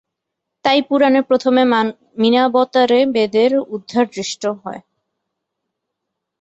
তাই পুরাণে প্রথমে মীনাবতারে বেদের উদ্ধার দৃষ্ট হয়।